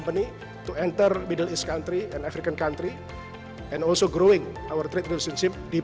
dan juga membesarkan perusahaan perdagangan kita lebih dalam